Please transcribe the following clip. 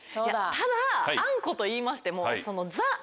ただあんこといいましても。